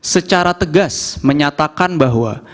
secara tegas menyatakan bahwa